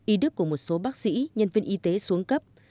y đức của một số bác sĩ nhân viên y tế xuống cấp